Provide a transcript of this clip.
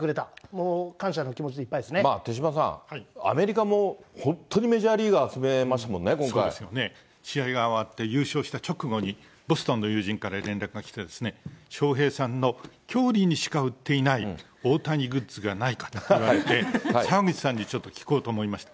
もう感謝の気持ちでいっぱいです手嶋さん、アメリカも本当にメジャーリーガーそろえましたもんね、そうですよね、試合が終わって優勝した直後に、ボストンの友人から連絡が来てですね、翔平さんの郷里にしか売っていない大谷グッズがないかと言われて、澤口さんにちょっと聞こうと思いまして。